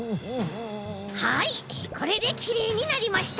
はいこれできれいになりました。